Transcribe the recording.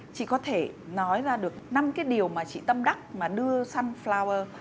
chị có thể nói ra được năm cái điều mà chị tâm đắc mà đưa sunflower